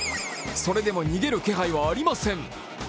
それでも逃げる気配はありません